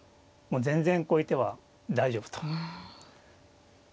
全然こういう手は大丈夫と。